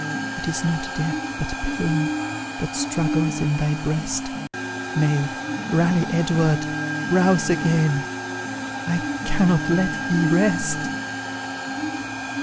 It is not death, but pain That struggles in thy breast Nay, rally, Edward, rouse again; I cannot let thee rest!"